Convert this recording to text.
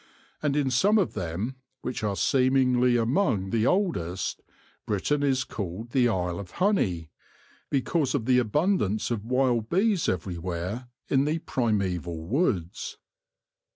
And in some of them, which are seemingly among the oldest, Britain is called the Isle of Honey, because of the abundance of wild bees everywhere in the primaeval woods.